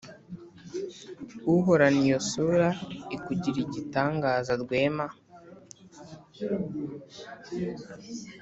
uhorana iyo sura ikugira igitangaza, rwema.